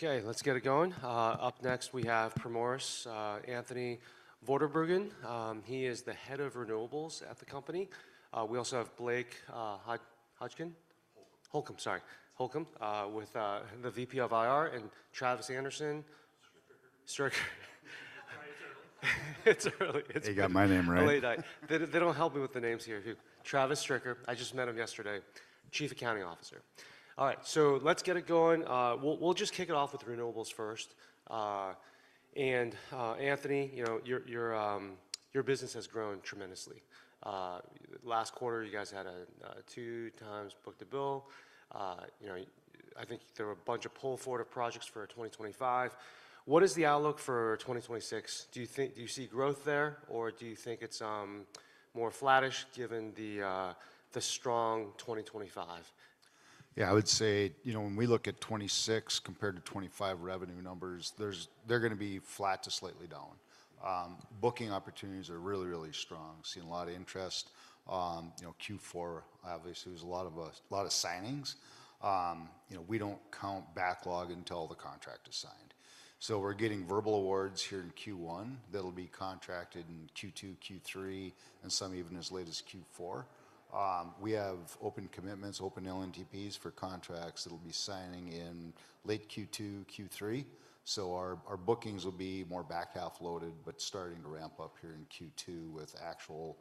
Okay, let's get it going. Up next we have Primoris, Anthony Vorderbruggen. He is the head of renewables at the company. We also have Blake Hutchkin. Holcomb. Holcomb, sorry, Holcomb with the VP of IR, and Travis Anderson. Stricker. Stricker. It's early. It's early. He got my name right. I believe that. They don't help me with the names here. Travis Stricker, I just met him yesterday, Chief Accounting Officer. All right, let's get it going. We'll just kick it off with renewables first. Anthony, you know, your business has grown tremendously. Last quarter, you guys had a 2x book-to-bill. You know, I think there were a bunch of pull-forward of projects for 2025. What is the outlook for 2026? Do you think? Do you see growth there, or do you think it's more flattish given the strong 2025? Yeah, I would say, you know, when we look at 2026 compared to 2025 revenue numbers, they're gonna be flat to slightly down. Booking opportunities are really, really strong. Seeing a lot of interest on, you know, Q4. Obviously, there was a lot of signings. You know, we don't count backlog until the contract is signed. We're getting verbal awards here in Q1 that'll be contracted in Q2, Q3, and some even as late as Q4. We have open commitments, open LNTPs for contracts that'll be signing in late Q2, Q3, so our bookings will be more back half loaded, but starting to ramp up here in Q2 with actual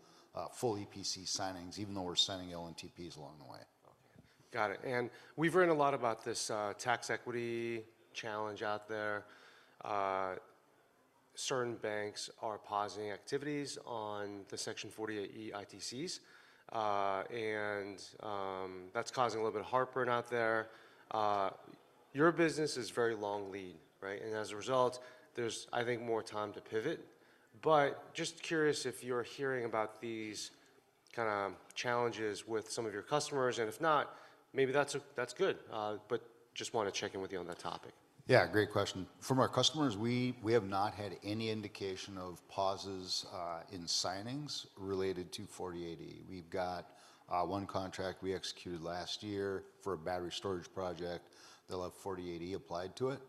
full EPC signings, even though we're signing LNTPs along the way. Okay. Got it. We've heard a lot about this tax equity challenge out there. Certain banks are pausing activities on the Section 48E ITCs, and that's causing a little bit of heartburn out there. Your business is very long lead, right? As a result, there's, I think, more time to pivot. Just curious if you're hearing about these kinda challenges with some of your customers, and if not, maybe that's good. Just wanna check in with you on that topic. Yeah, great question. From our customers, we have not had any indication of pauses in signings related to 48. We've got one contract we executed last year for a battery storage project that'll have 48 applied to it.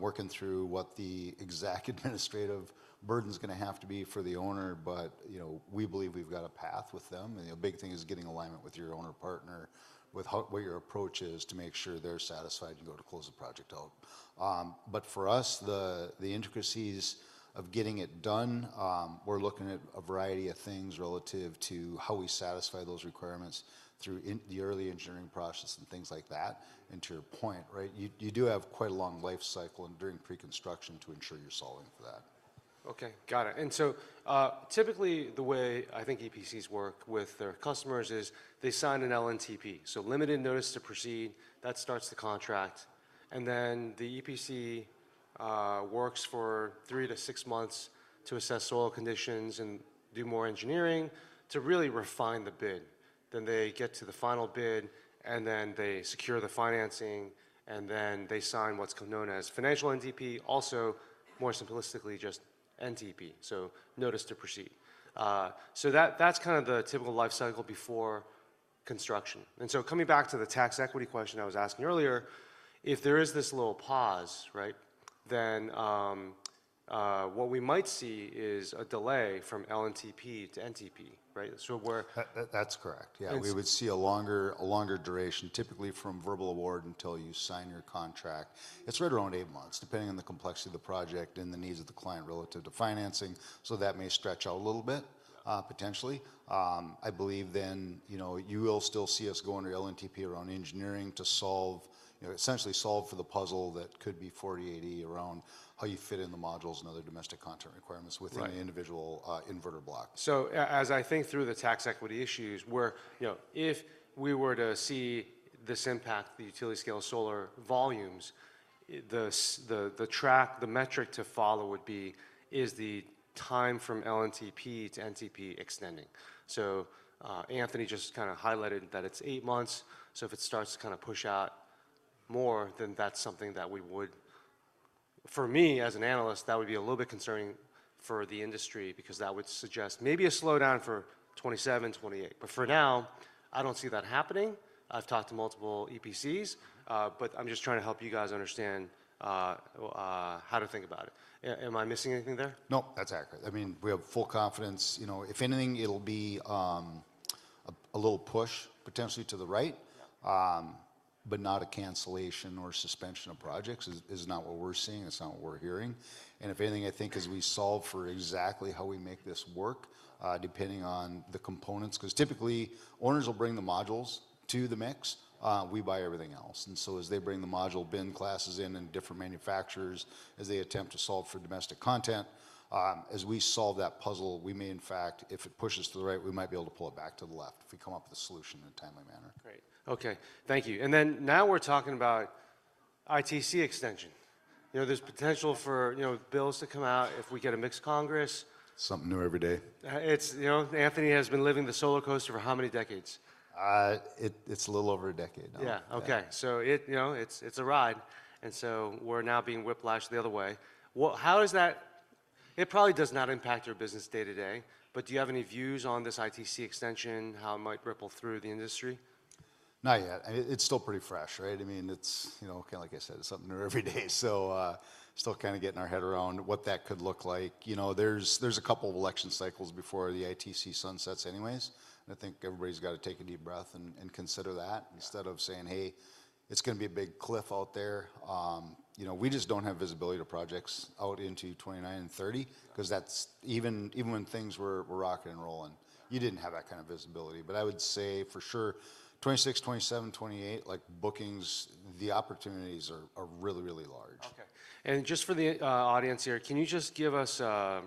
Working through what the exact administrative burden's gonna have to be for the owner, but you know, we believe we've got a path with them. You know, the big thing is getting alignment with your owner partner with what your approach is to make sure they're satisfied and be able to close the project out. For us, the intricacies of getting it done, we're looking at a variety of things relative to how we satisfy those requirements through the early engineering process and things like that. To your point, right? You do have quite a long life cycle and doing pre-construction to ensure you're solving for that. Okay. Got it. Typically, the way I think EPCs work with their customers is they sign an LNTP, so limited notice to proceed. That starts the contract. The EPC works for 3-6 months to assess soil conditions and do more engineering to really refine the bid. They get to the final bid, and they secure the financing, and they sign what's known as financial NTP, also more simplistically just NTP, so notice to proceed. That's kind of the typical life cycle before construction. Coming back to the tax equity question I was asking earlier, if there is this little pause, right? What we might see is a delay from LNTP to NTP, right? Where- That's correct. Yeah. It's- We would see a longer duration, typically from verbal award until you sign your contract. It's right around 8 months, depending on the complexity of the project and the needs of the client relative to financing. That may stretch out a little bit. Yeah. Potentially. I believe, you know, you will still see us going to LNTP around engineering to solve, you know, essentially solve for the puzzle that could be 48 around how you fit in the modules and other domestic content requirements- Right. -within the individual inverter block. As I think through the tax equity issues, where you know if we were to see this impact the utility-scale solar volumes, the metric to follow would be is the time from LNTP to NTP extending? Anthony just kinda highlighted that it's eight months. If it starts to kinda push out more, then that's something that, for me as an analyst, would be a little bit concerning for the industry because that would suggest maybe a slowdown for 2027, 2028. For now, I don't see that happening. I've talked to multiple EPCs, but I'm just trying to help you guys understand how to think about it. Am I missing anything there? Nope, that's accurate. I mean, we have full confidence. You know, if anything, it'll be a little push potentially to the right. Yeah. Not a cancellation or suspension of projects is not what we're seeing. It's not what we're hearing. If anything, I think as we solve for exactly how we make this work, depending on the components, 'cause typically, owners will bring the modules to the mix. We buy everything else. As they bring the module bin classes in and different manufacturers, as they attempt to solve for domestic content, as we solve that puzzle, we may in fact, if it pushes to the right, we might be able to pull it back to the left if we come up with a solution in a timely manner. Great. Okay. Thank you. Now we're talking about ITC extension. You know, there's potential for, you know, bills to come out if we get a mixed Congress. Something new every day. You know, Anthony has been living the solar coaster for how many decades? It's a little over a decade now. Yeah. Okay. It, you know, it's a ride, and so we're now being whiplashed the other way. It probably does not impact your business day to day, but do you have any views on this ITC extension, how it might ripple through the industry? Not yet. It's still pretty fresh, right? I mean, it's you know, kinda like I said, it's something new every day. So, still kinda getting our head around what that could look like. You know, there's a couple of election cycles before the ITC sunsets anyways, and I think everybody's gotta take a deep breath and consider that instead of saying, "Hey, it's gonna be a big cliff out there." You know, we just don't have visibility to projects out into 2029 and 2030 'cause that's even when things were rocking and rolling, you didn't have that kind of visibility. But I would say for sure, 2026, 2027, 2028, like bookings, the opportunities are really large. Okay. Just for the audience here, can you just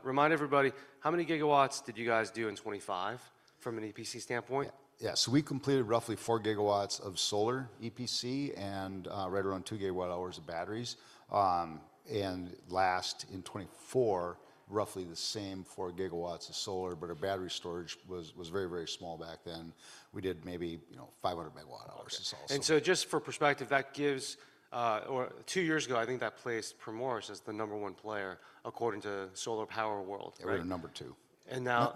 remind everybody how many GW did you guys do in 2025 from an EPC standpoint? We completed roughly 4 GW of solar EPC and right around 2 GWh of batteries. In 2024, roughly the same, 4 GW of solar, but our battery storage was very, very small back then. We did maybe 500 MWh or so. Just for perspective, that gives, or two years ago, I think that placed Primoris as the number one player according to Solar Power World, right? We were number two. And now-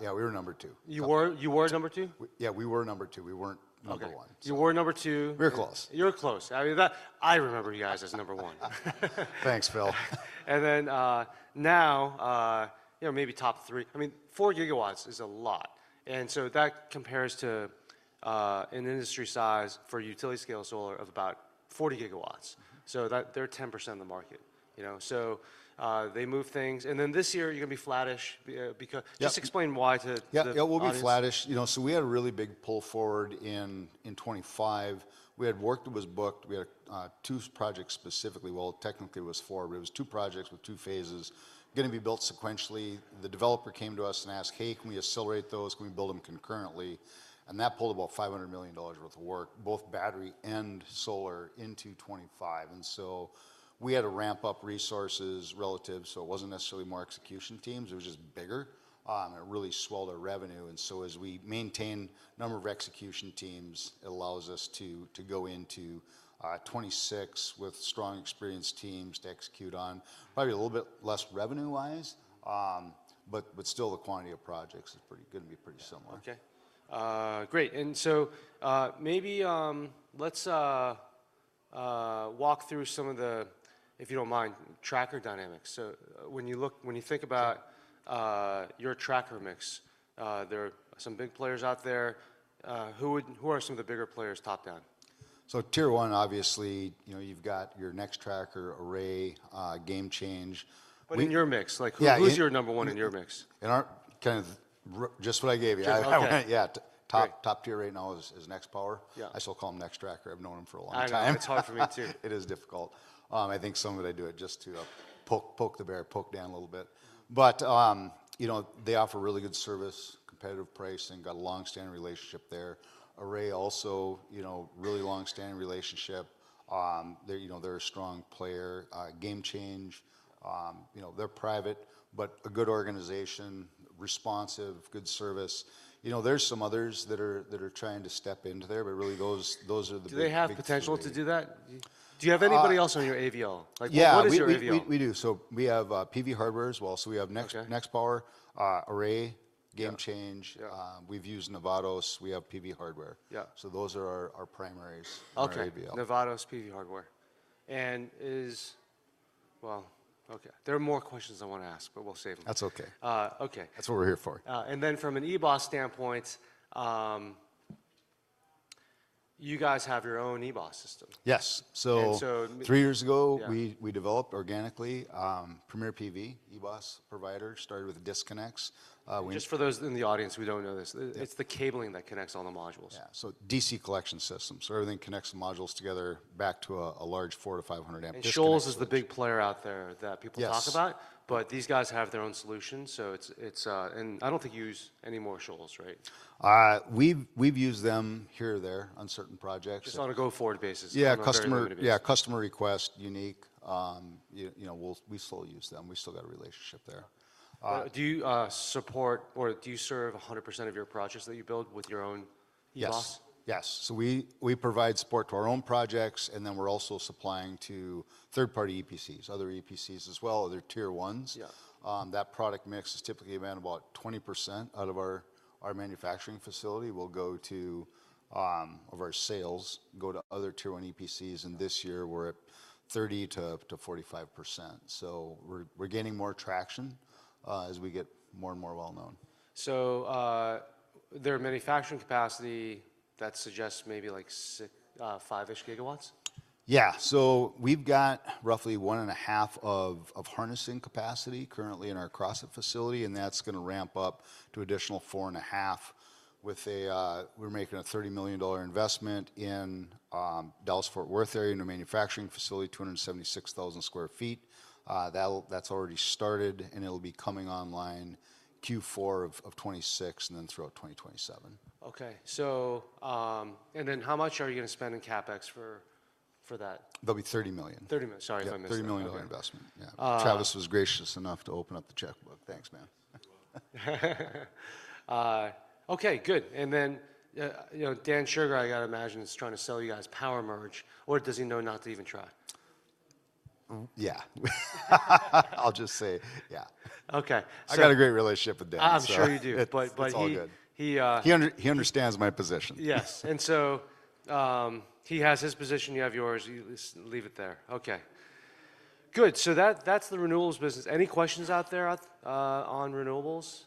Yeah, we were number two. You were number two? Yeah, we were number two. We weren't number one. Okay. You were number two. We were close. You were close. I mean, that, I remember you guys as number one. Thanks, Phil. Now, you know, maybe top three. I mean, 4 GW is a lot, and so that compares to an industry size for utility scale solar of about 40 GW, so that, they're 10% of the market. You know? They move things. This year you're gonna be flattish, because- Yeah. Just explain why to the audience. Yeah. Yeah, we'll be flattish. You know, we had a really big pull forward in 2025. We had work that was booked. We had two projects specifically, well, technically it was four, but it was two projects with two phases gonna be built sequentially. The developer came to us and asked, "Hey, can we accelerate those? Can we build them concurrently?" That pulled about $500 million worth of work, both battery and solar, into 2025. We had to ramp up resources relatively, so it wasn't necessarily more execution teams, it was just bigger. It really swelled our revenue as we maintain number of execution teams. It allows us to go into 2026 with strong, experienced teams to execute on probably a little bit less revenue wise, but still the quantity of projects is pretty gonna be pretty similar. Okay. Great. Maybe, let's walk through some of the, if you don't mind, tracker dynamics. When you look, when you think about your tracker mix, there are some big players out there. Who are some of the bigger players top down? Tier one, obviously, you know, you've got your Nextracker, Array, GameChange. In your mix, like who? Yeah, in- Who's your number one in your mix? Just what I gave you. Okay. Yeah. Great. Top tier right now is Nextracker. Yeah. I still call 'em Nextracker. I've known 'em for a long time. I know. It's hard for me too. It is difficult. I think some of it I do it just to poke the bear, poke Dan a little bit. You know, they offer really good service, competitive pricing, got a long-standing relationship there. Array also, you know, really long-standing relationship. You know, they're a strong player. GameChange, you know, they're private, but a good organization, responsive, good service. You know, there's some others that are trying to step into there, but really those are the big three. Do they have potential to do that? Do you have anybody else on your AVL? Yeah. Like, what is your AVL? We do. We have PVHardware as well. We have Next- Okay -Nextpower, Array, GameChange. Yeah. Yeah. We've used Nevados. We have PVHardware. Yeah. Those are our primaries on our AVL. Okay. Nevados, PVHardware. Well, okay. There are more questions I wanna ask, but we'll save them. That's okay. Okay. That's what we're here for. From an eBOS standpoint, you guys have your own eBOS system. Yes. And so- Three years ago. Yeah. We developed organically, Premier PV eBOS provider. Started with disconnects. Just for those in the audience who don't know this, it's the cabling that connects all the modules. DC collection system, so everything connects the modules together back to a large 400-500 amp disconnect switch. Shoals is the big player out there that people talk about. Yes. These guys have their own solution, so it's. I don't think you use any more Shoals, right? We've used them here or there on certain projects. Just on a go-forward basis, you're not very motivated. Yeah, customer request, unique. You know, we'll still use them. We've still got a relationship there. Do you support or do you serve 100% of your projects that you build with your own eBOS? Yes. We provide support to our own projects, and then we're also supplying to third party EPCs, other EPCs as well, other tier ones. Yeah. That product mix is typically around about 20% out of our manufacturing facility will go to of our sales go to other tier one EPCs, and this year we're at 30%-45%. We're gaining more traction as we get more and more well known. Their manufacturing capacity, that suggests maybe like 6, 5-ish GW? We've got roughly 1.5 GW of harnessing capacity currently in our Crossett facility, and that's gonna ramp up to additional 4.5 GW with a $30 million investment in the Dallas-Fort Worth area in a manufacturing facility, 276,000 sq ft. That's already started, and it'll be coming online Q4 of 2026 and then throughout 2027. How much are you gonna spend in CapEx for that? That'll be $30 million. $30 million. Sorry if I missed that. Yeah, $30 million investment. Yeah. Uh- Travis was gracious enough to open up the checkbook. Thanks, man. Okay, good. You know, Dan Shugar, I gotta imagine, is trying to sell you guys NX PowerMerge, or does he know not to even try? Yeah. I'll just say yeah. Okay. I got a great relationship with Dan. I'm sure you do. It's all good. But, but he, uh- He understands my position. Yes. He has his position, you have yours. You just leave it there. Okay. Good. That's the renewables business. Any questions out there on renewables?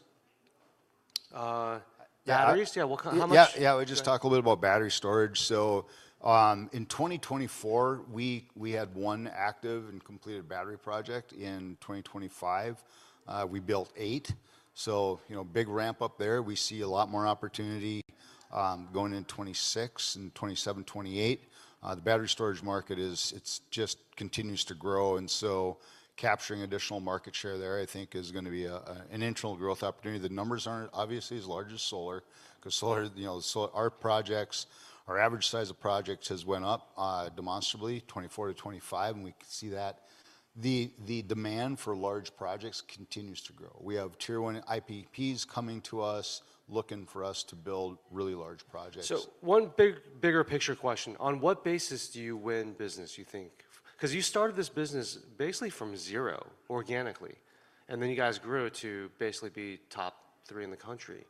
Yeah. Batteries? Yeah, what kind? How much? Yeah, yeah. Go ahead. We just talked a little about battery storage. In 2024, we had one active and completed battery project. In 2025, we built eight, so you know, big ramp-up there. We see a lot more opportunity, going into 2026 and 2027, 2028. The battery storage market is. It's just continues to grow, and so capturing additional market share there, I think, is gonna be an internal growth opportunity. The numbers aren't obviously as large as solar, 'cause solar, you know. Our projects, our average size of projects has went up, demonstrably 2024 to 2025, and we can see that. The demand for large projects continues to grow. We have tier one IPPs coming to us, looking for us to build really large projects. One big, bigger picture question. On what basis do you win business, you think? 'Cause you started this business basically from zero, organically, and then you guys grew to basically be top three in the country.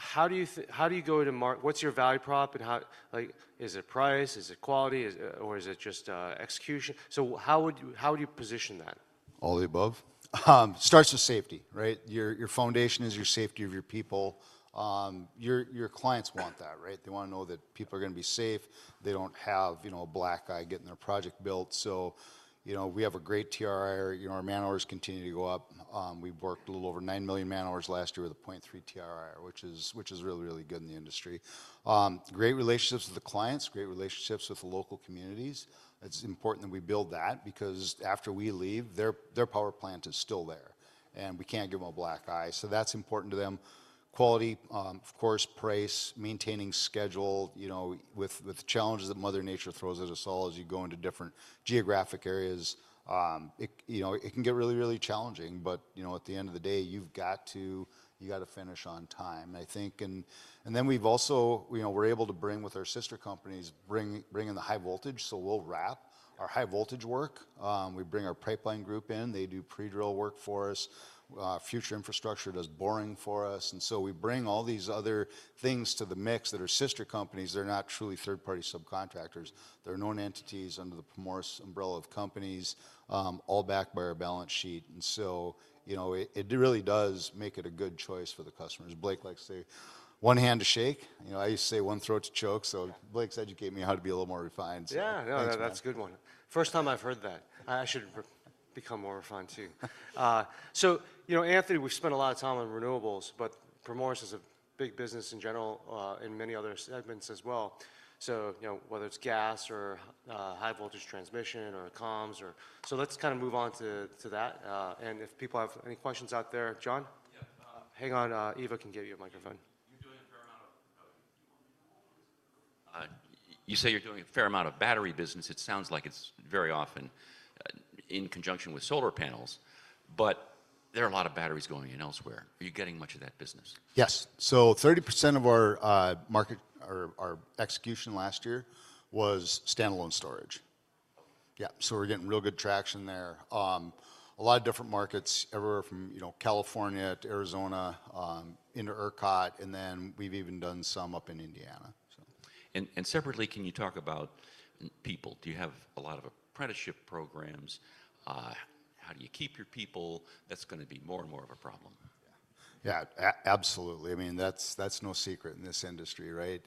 What's your value prop and how? Like, is it price? Is it quality? Or is it just execution? How would you position that? All the above. Starts with safety, right? Your foundation is your safety of your people. Your clients want that, right? They wanna know that people are gonna be safe. They don't have, you know, a black eye getting their project built. You know, we have a great TRIR. You know, our man hours continue to go up. We've worked a little over 9 million man hours last year with a 0.3 TRIR, which is really, really good in the industry. Great relationships with the clients, great relationships with the local communities. It's important that we build that because after we leave, their power plant is still there and we can't give them a black eye, so that's important to them. Quality, of course, price, maintaining schedule, you know, with the challenges that Mother Nature throws at us all as you go into different geographic areas, it, you know, it can get really challenging, but, you know, at the end of the day, you gotta finish on time, I think. We're able to bring with our sister companies, bring in the high voltage, so we'll wrap our high voltage work. We bring our pipeline group in. They do pre-drill work for us. Future Infrastructure does boring for us. We bring all these other things to the mix that are sister companies. They're not truly third-party subcontractors. They're known entities under the Primoris umbrella of companies, all backed by our balance sheet. You know, it really does make it a good choice for the customers. Blake likes to say, "One hand to shake." You know, I used to say, "One throat to choke. Yeah. Blake's educated me how to be a little more refined. Yeah. No, that's a good one. Thanks, man. First time I've heard that. I should become more refined too. You know, Anthony, we've spent a lot of time on renewables, but Primoris is a big business in general, in many other segments as well. You know, whether it's gas or high voltage transmission or comms or. Let's kind of move on to that. If people have any questions out there. John? Yeah. Hang on. Eva can get you a microphone. You say you're doing a fair amount of battery business. It sounds like it's very often in conjunction with solar panels. There are a lot of batteries going in elsewhere. Are you getting much of that business? Yes. 30% of our market, our execution last year was standalone storage. Okay. Yeah. We're getting real good traction there. A lot of different markets everywhere from, you know, California to Arizona, into ERCOT, and then we've even done some up in Indiana. Separately, can you talk about people? Do you have a lot of apprenticeship programs? How do you keep your people? That's gonna be more and more of a problem. Yeah. Absolutely. I mean, that's no secret in this industry, right?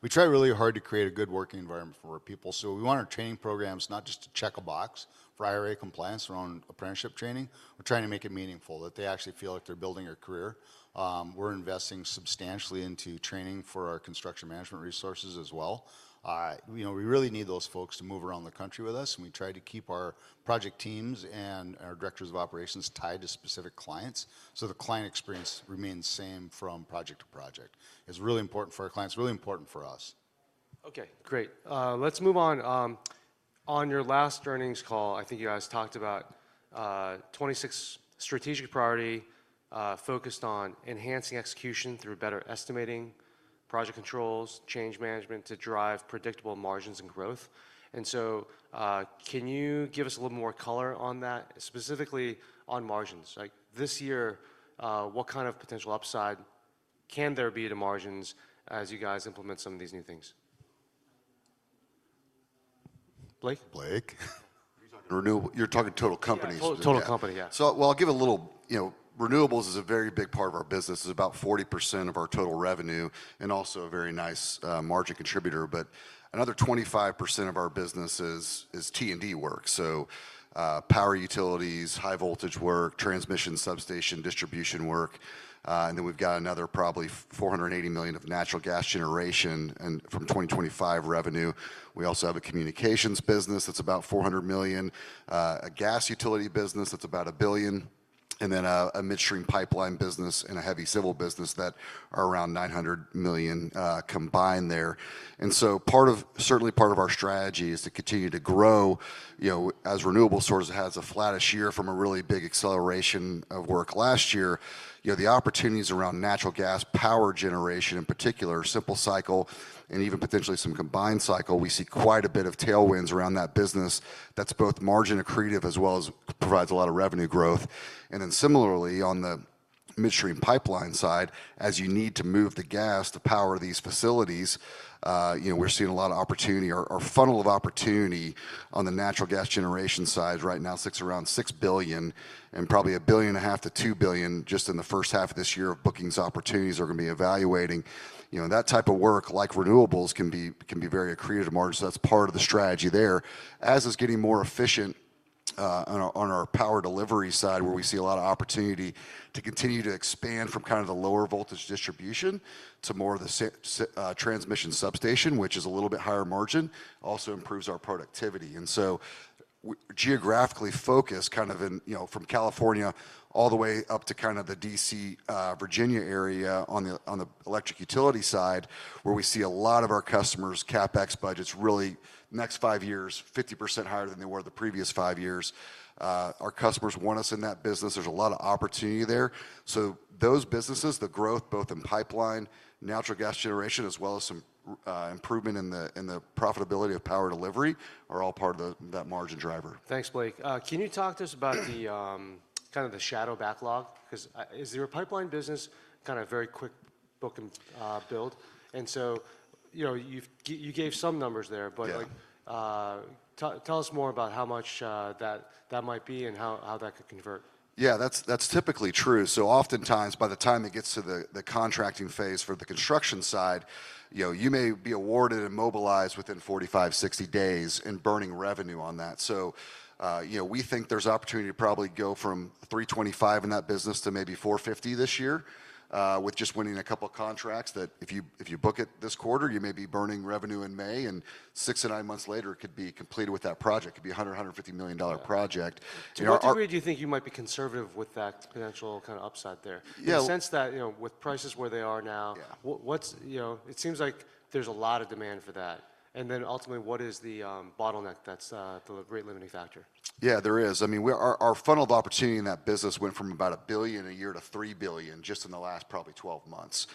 We try really hard to create a good working environment for our people. We want our training programs not just to check a box for IRA compliance around apprenticeship training. We're trying to make it meaningful, that they actually feel like they're building a career. We're investing substantially into training for our construction management resources as well. You know, we really need those folks to move around the country with us, and we try to keep our project teams and our directors of operations tied to specific clients, so the client experience remains the same from project to project. It's really important for our clients. It's really important for us. Okay. Great. Let's move on. On your last earnings call, I think you guys talked about 26 strategic priorities focused on enhancing execution through better estimating, project controls, change management to drive predictable margins and growth. Can you give us a little more color on that, specifically on margins? Like, this year, what kind of potential upside can there be to margins as you guys implement some of these new things? Blake? Blake? You're talking- You're talking total company. Yeah. Total company. Yeah. Well, I'll give a little. You know, renewables is a very big part of our business. It's about 40% of our total revenue and also a very nice margin contributor. Another 25% of our business is T&D work. Power utilities, high voltage work, transmission substation, distribution work. We've got another probably $480 million of natural gas generation and from 2025 revenue. We also have a communications business that's about $400 million. A gas utility business that's about $1 billion. A midstream pipeline business and a heavy civil business that are around $900 million combined there. Certainly part of our strategy is to continue to grow, you know, as renewable source has a flattish year from a really big acceleration of work last year. You know, the opportunities around natural gas, power generation in particular, simple cycle and even potentially some combined cycle, we see quite a bit of tailwinds around that business that's both margin accretive as well as provides a lot of revenue growth. On the midstream pipeline side, as you need to move the gas to power these facilities, you know, we're seeing a lot of opportunity. Our funnel of opportunity on the natural gas generation side right now sits around $6 billion, and probably $1.5 billion-$2 billion just in the first half of this year of bookings opportunities we're gonna be evaluating. You know, that type of work, like renewables, can be very accretive margin, so that's part of the strategy there. As it's getting more efficient on our power delivery side, where we see a lot of opportunity to continue to expand from kind of the lower voltage distribution to more of the transmission substation, which is a little bit higher margin, also improves our productivity. Geographically focused, kind of in, you know, from California all the way up to kind of the D.C. Virginia area on the electric utility side, where we see a lot of our customers' CapEx budgets really, next five years, 50% higher than they were the previous five years. Our customers want us in that business. There's a lot of opportunity there. Those businesses, the growth both in pipeline, natural gas generation, as well as some improvement in the profitability of power delivery, are all part of that margin driver. Thanks, Blake. Can you talk to us about the kind of the shadow backlog? 'Cause is your pipeline business kind of very quick book and build? You know, you gave some numbers there, but like. Yeah. Tell us more about how much that might be and how that could convert. Yeah, that's typically true. Oftentimes by the time it gets to the contracting phase for the construction side, you know, you may be awarded and mobilized within 45-60 days and burning revenue on that. You know, we think there's opportunity to probably go from $325 million in that business to maybe $450 million this year, with just winning a couple contracts that if you book it this quarter, you may be burning revenue in May, and 6-9 months later it could be completed with that project. Could be a $150 million project. You know, our... To what degree do you think you might be conservative with that potential kind of upside there? Yeah. I sense that, you know, with prices where they are now. Yeah. What's, you know, it seems like there's a lot of demand for that. Then ultimately, what is the bottleneck that's the great limiting factor? Yeah, there is. I mean, our funneled opportunity in that business went from about $1 billion a year to $3 billion just in the last probably 12 months.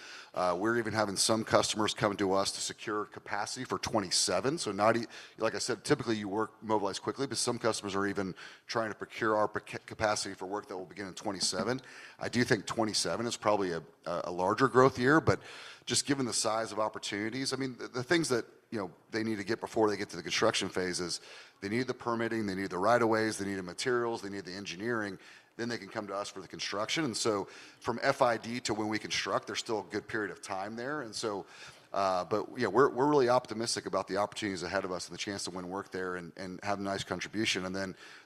We're even having some customers come to us to secure capacity for 2027. Like I said, typically you work, mobilize quickly, but some customers are even trying to procure our capacity for work that will begin in 2027. I do think 2027 is probably a larger growth year, but just given the size of opportunities, I mean, the things that, you know, they need to get before they get to the construction phase is they need the permitting, they need the right of ways, they need the materials, they need the engineering, then they can come to us for the construction. From FID to when we construct, there's still a good period of time there. But yeah, we're really optimistic about the opportunities ahead of us and the chance to win work there and have a nice contribution.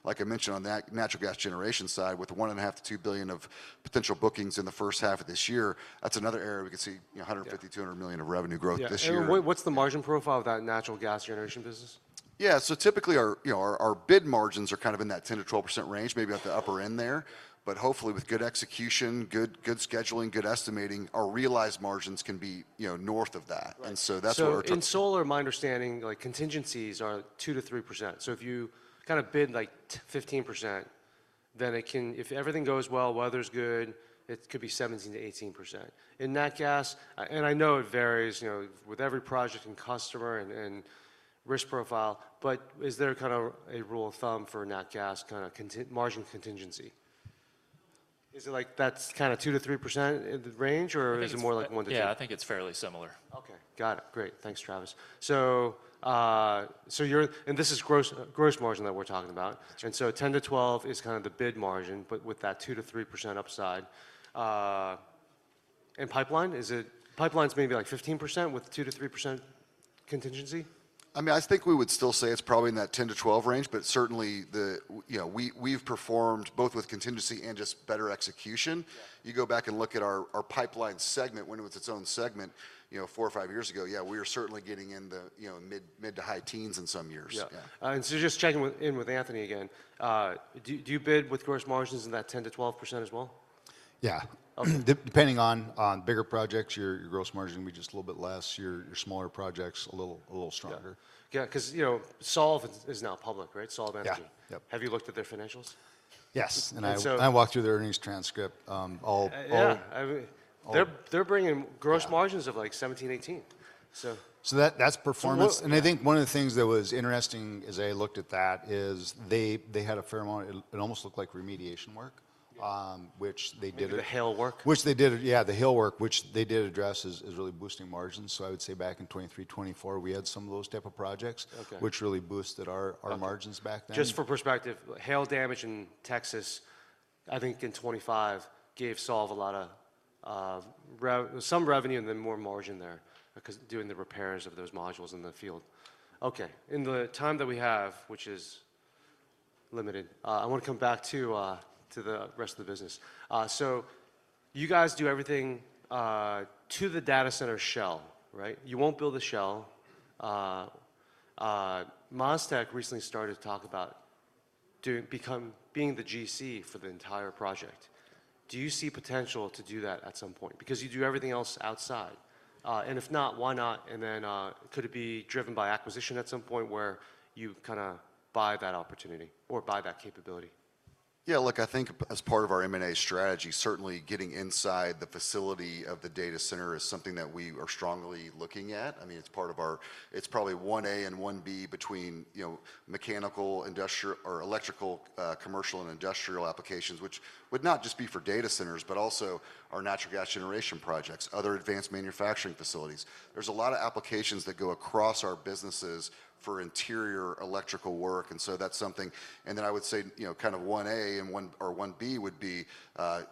Like I mentioned on that natural gas generation side, with $1.5 billion-$2 billion of potential bookings in the first half of this year, that's another area we could see, you know, $150 million-$200 million of revenue growth this year. Yeah. What's the margin profile of that natural gas generation business? Yeah. Typically our, you know, bid margins are kind of in that 10%-12% range, maybe at the upper end there. Hopefully with good execution, good scheduling, good estimating, our realized margins can be, you know, north of that. Right. That's where our. In solar, my understanding, like contingencies are 2%-3%. If you kind of bid like 15%, then it can. If everything goes well, weather's good, it could be 17%-18%. In nat gas, I know it varies, you know, with every project and customer and risk profile, but is there kind of a rule of thumb for nat gas kind of margin contingency? Is it like that's kind of 2%-3% in the range or is it more like 1%-2%? Yeah, I think it's fairly similar. Okay. Got it. Great. Thanks, Travis. This is gross margin that we're talking about. 10%-12% is kind of the bid margin, but with that 2%-3% upside. Pipeline's maybe like 15% with 2%-3% contingency? I mean, I think we would still say it's probably in that 10-12 range, but certainly you know, we've performed both with contingency and just better execution. You go back and look at our pipeline segment when it was its own segment, you know, 4 or 5 years ago, yeah, we were certainly getting in the, you know, mid- to high teens in some years. Yeah. Yeah. Just checking in with Anthony again. Do you bid with gross margins in that 10%-12% as well? Yeah. Okay. Depending on bigger projects, your gross margin will be just a little bit less, your smaller projects a little stronger. Yeah. Yeah, 'cause, you know, SOLV is now public, right? SOLV Energy. Yeah. Yep. Have you looked at their financials? Yes. And so- I walked through their earnings transcript. Yeah. I mean. All- They're bringing- Yeah gross margins of like 17%-18%, so. That, that's performance. Yeah. I think one of the things that was interesting as I looked at that is they had a fair amount. It almost looked like remediation work. Yeah... um, which they did- Maybe the hail work. Which they did. Yeah, the hail work, which they did address is really boosting margins. I would say back in 2023, 2024, we had some of those type of projects- Okay. -which really boosted our margins back then. Okay. Just for perspective, hail damage in Texas, I think in 2025, gave SOLV a lot of revenue and then more margin there because doing the repairs of those modules in the field. Okay. In the time that we have, which is limited, I wanna come back to the rest of the business. You guys do everything to the data center shell, right? You don't build a shell. MasTec recently started to talk about being the GC for the entire project. Do you see potential to do that at some point? Because you do everything else outside. And if not, why not? Could it be driven by acquisition at some point where you kinda buy that opportunity or buy that capability? Yeah, look, I think as part of our M&A strategy, certainly getting inside the facility of the data center is something that we are strongly looking at. I mean, it's part of our. It's probably one-A and one-B between, you know, mechanical, industrial or electrical, commercial and industrial applications, which would not just be for data centers, but also our natural gas generation projects, other advanced manufacturing facilities. There's a lot of applications that go across our businesses for interior electrical work, and so that's something. I would say, you know, kind of one-A and one or one-B would be,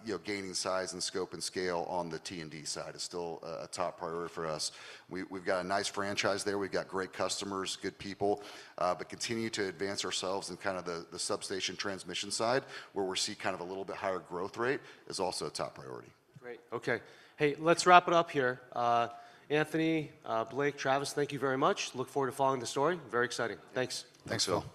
you know, gaining size and scope and scale on the T&D side is still a top priority for us. We've got a nice franchise there. We've got great customers, good people. Continue to advance ourselves in kind of the substation transmission side where we see kind of a little bit higher growth rate is also a top priority. Great. Okay. Hey, let's wrap it up here. Anthony, Blake, Travis, thank you very much. Look forward to following the story. Very exciting. Thanks. Thanks, Phil.